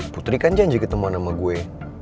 putri kan janji ketemu sama gue